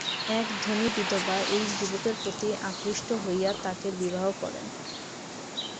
এক ধনী বিধবা এই যুবকের প্রতি আকৃষ্ট হইয়া তাঁহাকে বিবাহ করেন।